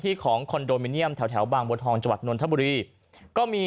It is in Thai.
ของคอนโดมิเนียมแถวแถวบางบัวทองจังหวัดนนทบุรีก็มี